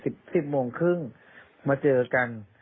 ว่าสัก๑๐โมงครึ่งมาเจอกัน